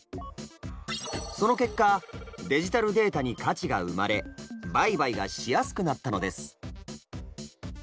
その結果デジタルデータに価値が生まれ売買がしやすくなったのです。